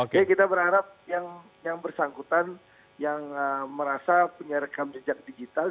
kita berharap yang bersangkutan yang merasa punya rekam jejak digital